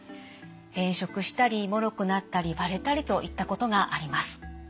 変色したりもろくなったり割れたりといったことがあります。